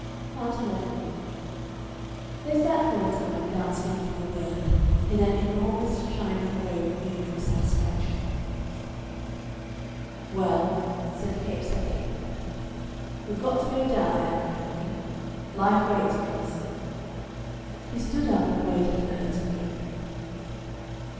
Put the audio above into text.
Part 11 They sat for a time without speaking a word, in an enormous shining globe of mutual satisfaction. "Well," said Capes, at length, "we've to go down, Ann Veronica. Life waits for us." He stood up and waited for her to move.